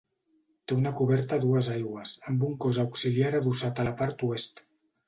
Té una coberta a dues aigües, amb un cos auxiliar adossat a la part oest.